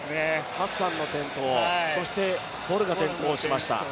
ハッサンの転倒、そしてボルが転倒しました。